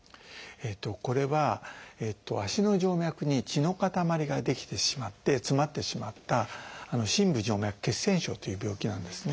これは足の静脈に血の塊が出来てしまって詰まってしまった深部静脈血栓症という病気なんですね。